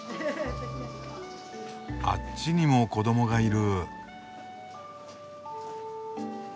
あっちにも子どもがいる。